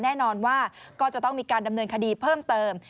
แน่นอนว่าก็จะต้องมีการดำเนินคดีเพิ่มเติม